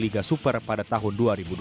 liga super pada tahun dua ribu dua puluh